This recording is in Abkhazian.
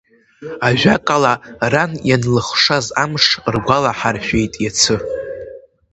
Ажәакала, ран ианлыхшаз амш ргәалаҳаршәеит иацы…